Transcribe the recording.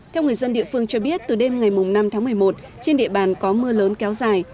theo người dân địa phương cho biết từ đêm ngày năm tháng một mươi một trên địa bàn có mưa lớn kéo dài